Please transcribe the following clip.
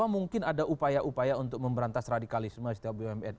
mungkin ada upaya upaya untuk memberantas radikalisme setiap bumn